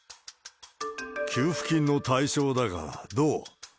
給付金の対象だからどう？